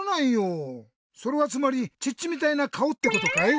それはつまりチッチみたいなかおってことかい？